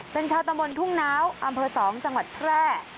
เป็นชาวตำบลทุ่งน้าวอำเภอ๒จังหวัดแพร่